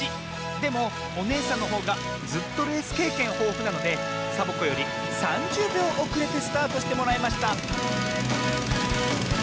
でもおねえさんのほうがずっとレースけいけんほうふなのでサボ子より３０びょうおくれてスタートしてもらいました